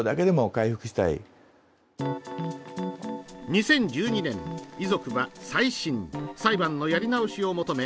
２０１２年、遺族は再審＝裁判のやり直しを求め